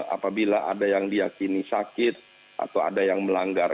apabila ada yang diakini sakit atau ada yang melanggar